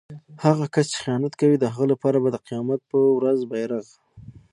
هغه کس چې خیانت کوي د هغه لپاره به د قيامت په ورځ بیرغ